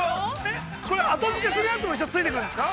後づけするやつも一緒についてくるんですか？